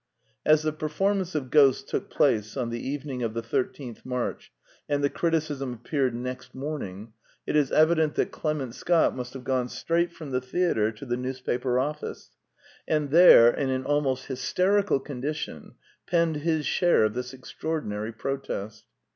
As the performance of Ghosts took place on the evening of the 13th March, and the criticism appeared next morning, The Two Pioneers 5 it is evident that Clement Scott must have gone straight from the theatre to the newspaper office, and there, in an aknost hysterical condition, penned his share of this extraordinary protest.